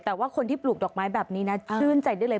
แต่ว่าคนที่ปลูกดอกไม้แบบนี้นะชื่นใจได้เลย